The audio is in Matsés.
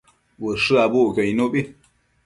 Ushë abucquio icnubi